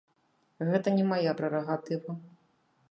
Гэта не мая прэрагатыва.